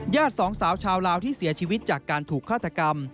สองสาวชาวลาวที่เสียชีวิตจากการถูกฆาตกรรม